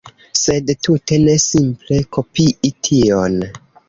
Sed tute ne simple kopii tion